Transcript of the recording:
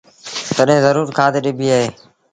تڏهيݩ زرور کآڌ ڏبيٚ اهي